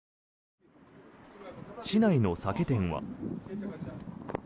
市内の酒店は。